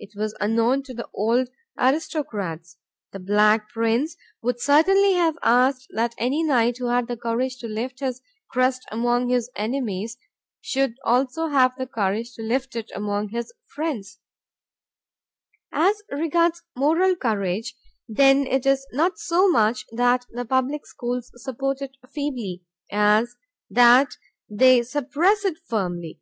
It was unknown to the old aristocrats. The Black Prince would certainly have asked that any knight who had the courage to lift his crest among his enemies, should also have the courage to lift it among his friends. As regards moral courage, then it is not so much that the public schools support it feebly, as that they suppress it firmly.